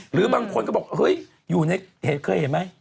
หรือบางคนก็บอกเฮ้ยเคยเห็นไหม